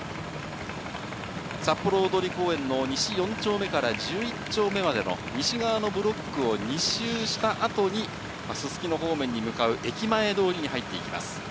札幌大通公園の西４丁目から１１丁目までの西側のブロックを２周したあとに、すすきの方面に向かう駅前通に入っていきます。